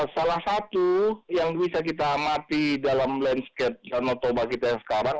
salah satu yang bisa kita amati dalam landscape danau toba kita yang sekarang